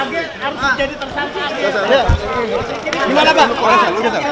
ag harus jadi tersangkut